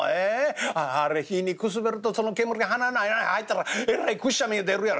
あああれ火にくすべるとその煙が鼻の穴に入ったらえらいくっしゃみが出るやろ？」。